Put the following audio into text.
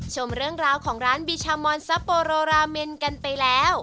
ชมเรื่องราวของร้านบิชามอนซับโปโรราเมนกันไปแล้ว